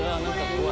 うわ！